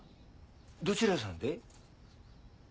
どちらさんで？